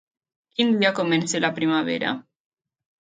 Quin dia comença la primavera?